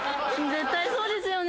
絶対そうですよね。